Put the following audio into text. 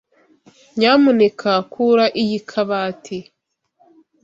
Nyamuneka kura iyi kabati.